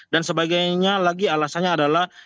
dan sebagainya lagi alasannya adalah